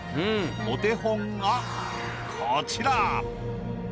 お手本がこちら。